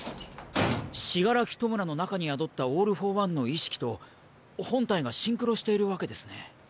死柄木弔の中に宿ったオール・フォー・ワンの意識と本体がシンクロしているわけですね。